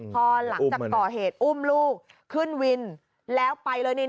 พอหลังจากก่อเหตุอุ้มลูกขึ้นวินแล้วไปเลย